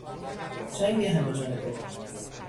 جنگ همهجانبه